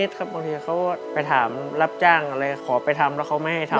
บางทีเขาไปถามรับจ้างอะไรขอไปทำแล้วเขาไม่ให้ทำ